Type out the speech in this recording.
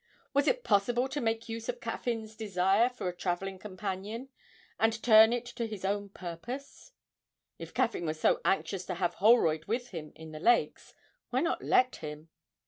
Was it possible to make use of Caffyn's desire for a travelling companion, and turn it to his own purpose? If Caffyn was so anxious to have Holroyd with him in the Lakes, why not let him?